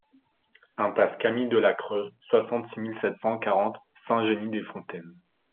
Impasse Cami de la Creu, soixante-six mille sept cent quarante Saint-Génis-des-Fontaines